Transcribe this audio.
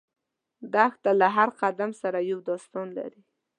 دښته له هر قدم سره یو داستان لري.